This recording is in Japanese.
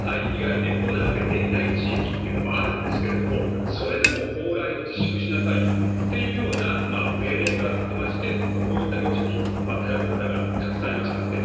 以外でコロナが出ていない地域というのもあるんですけれどそれでも往来を自粛しなさいというような命令が出ましてこういった業者に頼る方がたくさんいました。